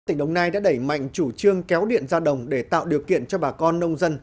tỉnh đồng nai đã đẩy mạnh chủ trương kéo điện ra đồng để tạo điều kiện cho bà con nông dân